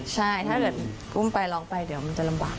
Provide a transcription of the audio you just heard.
ใช่ถ้าเกิดอุ้มไปร้องไปเดี๋ยวมันจะลำบาก